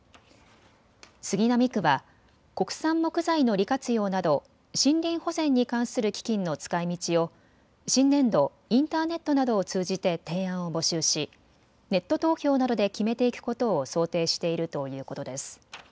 杉並区は国産木材の利活用など森林保全に関する基金の使いみちを新年度、インターネットなどを通じて提案を募集しネット投票などで決めていくことを想定しているということです。